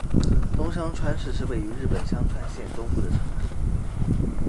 东香川市是位于日本香川县东部的城市。